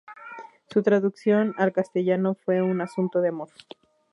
Su traducción al castellano fue Un asunto de amor.